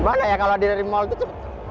banyak ya kalau di mall itu